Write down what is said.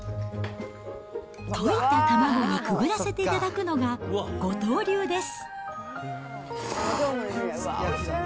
溶いた卵にくぐらせて頂くのが五島流です。